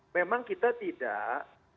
memang kita tidak